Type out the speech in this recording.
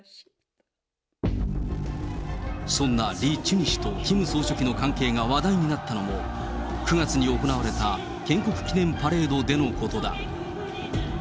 そんなリ・チュニ氏とキム総書記の関係が話題になったのも、９月に行われた建国記念パレードでのことだ。